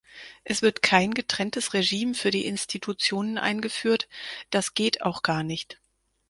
Es wird kein getrenntes Regime für die Institutionen eingeführt das geht auch gar nicht.